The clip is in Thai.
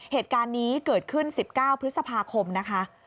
เหตุการณ์นี้เกิดขึ้น๑๙พฤษภาคมนะคะ